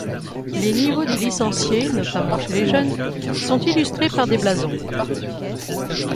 Les niveaux des licenciés, notamment chez les jeunes, sont illustrés par des blasons.